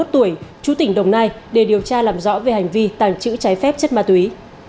ba mươi một tuổi chú tỉnh đồng nai để điều tra làm rõ về hành vi tàng trữ trái phép chất ma túy